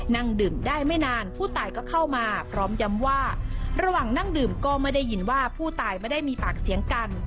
นั่งดื่มได้ไม่นานผู้ตายก็เข้ามาพร้อมย้ำว่าระหว่างนั่งดื่มก็ไม่ได้ยินว่าผู้ตายไม่ได้มีปากเสียงกัน